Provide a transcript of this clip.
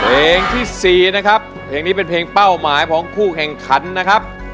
เพลงที่๔นะครับเพลงนี้เป็นเพลงเป้าหมายของคู่แข่งขันนะครับ